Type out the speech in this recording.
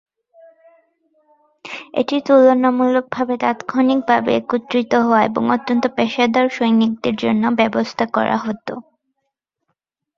এটি তুলনামূলকভাবে তাত্ক্ষণিকভাবে একত্রিত হওয়া এবং অত্যন্ত পেশাদার সৈনিকদের জন্য ব্যবস্থা করা হত।